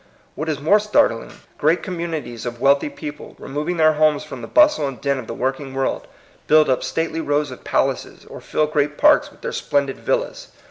What is more startling, great communi ties of wealthy people, removing their homes fi om the bustle and din of the working world, build up stately rows of palaces, or fill great parks with their splendid villas.